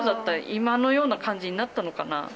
今のような感じになったのかな？